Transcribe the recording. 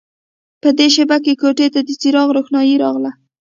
په دې شېبه کې کوټې ته د څراغ روښنايي راغله